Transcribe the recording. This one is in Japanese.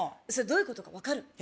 それどういうことか分かる？